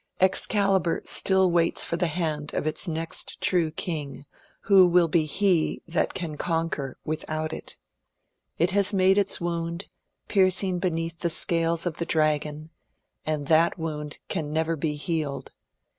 Excalibur still waits the hand of its next true King, who will be he that can conquer without it. It has made its wound, piercing beneath the scales of the Dragon ; and that wound can never be healed.